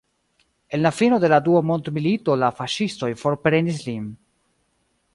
En la fino de la dua mondmilito la faŝistoj forprenis lin.